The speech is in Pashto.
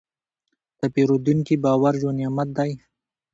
د پیرودونکي باور یو نعمت دی.